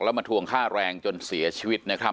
แล้วมาทวงฆ่าแรงจนเสียชีวิต